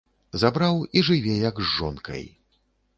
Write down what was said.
Забраў і жыве, як з жонкай!